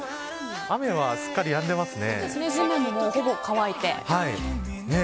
雨は、すっかりやんでいますね。